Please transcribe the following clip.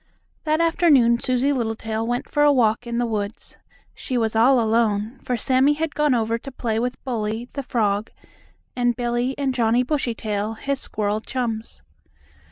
That afternoon Susie Littletail went for a walk in the woods. She was all alone, for Sammie had gone over to play with Bully, the frog, and Billie and Johnnie Bushytail, his squirrel chums.